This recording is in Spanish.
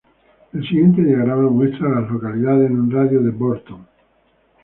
El siguiente diagrama muestra a las localidades en un radio de de Burton.